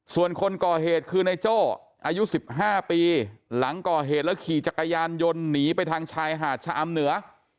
ส่วนคนก่อเหตุคือนายโจ้อายุ๑๕ปีหลังก่อเหตุแล้วขี่จักรยานยนต์หนีไปทางชายหาดชะอำเหนือ